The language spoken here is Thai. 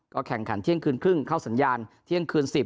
แข่งขันเที่ยงคืนครึ่งเข้าสัญญาณเที่ยงคืน๑๐